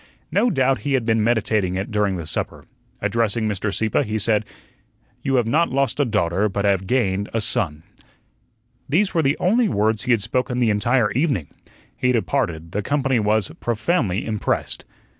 No doubt he had been meditating it during the supper. Addressing Mr. Sieppe, he said: "You have not lost a daughter, but have gained a son." These were the only words he had spoken the entire evening. He departed; the company was profoundly impressed.